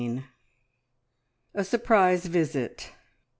A SURPRISE VISIT.